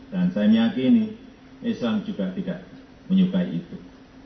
dan saya meyakini islam juga tidak menyukai itu